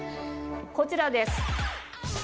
こちらです！